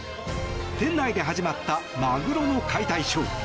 店内で始まったマグロの解体ショー。